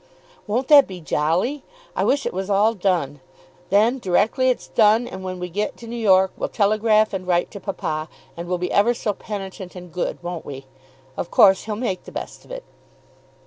"Won't that be jolly? I wish it was all done. Then, directly it's done, and when we get to New York, we'll telegraph and write to papa, and we'll be ever so penitent and good; won't we? Of course he'll make the best of it."